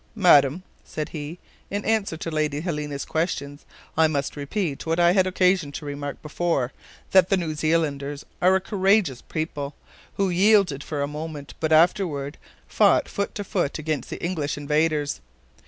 "Madam," said he, in answer to Lady Helena's questions, "I must repeat what I had occasion to remark before, that the New Zealanders are a courageous people, who yielded for a moment, but afterward fought foot to foot against the English invaders.